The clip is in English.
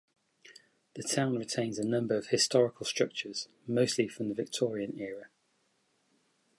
The town retains a number of historical structures, mostly from the Victorian era.